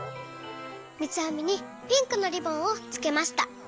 みつあみにピンクのリボンをつけました。